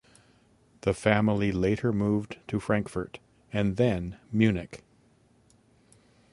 The family later moved to Frankfurt and then Munich.